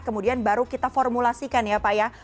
kemudian baru kita formulasikan ya pak ya